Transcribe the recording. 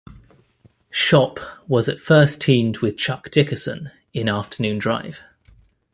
Schopp was at first teamed with Chuck Dickerson in afternoon drive.